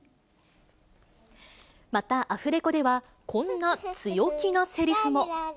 またアフレコでは、こんな強気なせりふも。